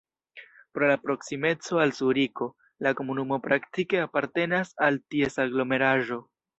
Pro la proksimeco al Zuriko, la komunumo praktike apartenas al ties aglomeraĵo.